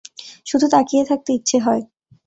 শুধু তাকিয়ে থাকতে ইচ্ছে হয়।